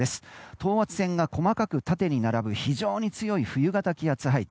等圧線が細かく縦に並ぶ非常に強い冬型気圧配置。